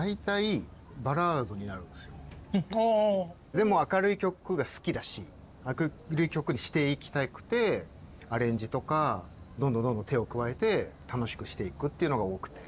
でも明るい曲が好きだし明るい曲にしていきたくてアレンジとかどんどんどんどん手を加えて楽しくしていくっていうのが多くて。